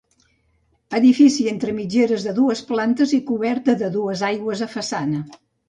Edifici entre mitgeres de dues plantes i coberta de dues aigües a façana.